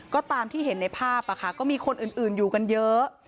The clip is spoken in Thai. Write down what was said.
ก็ตามที่เห็นในภาพก็มีคนอื่นอยู่กันเยอะ